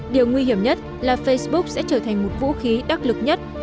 điều nguy hiểm nhất là facebook sẽ trở thành một vũ khí đắc lực nhất